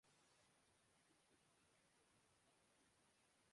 اب اگر اس جنگ کے اگلے مرحلے میں مسخ شدہ جہادی تصورات